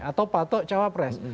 atau patok cawapres